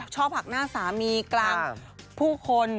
หักหน้าสามีกลางผู้คน